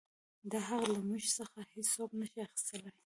دا حـق لـه مـوږ څـخـه هـېڅوک نـه شـي اخيـستلى.